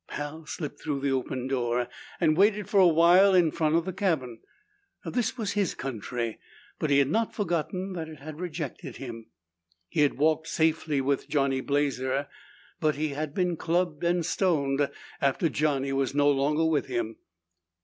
Pal slipped through the opened door and waited for a while in front of the cabin. This was his country, but he had not forgotten that it had rejected him. He had walked safely with Johnny Blazer, but he had been clubbed and stoned after Johnny was no longer with him.